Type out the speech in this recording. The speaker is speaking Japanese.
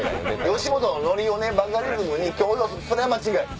吉本のノリをバカリズムに強要するそれは間違い。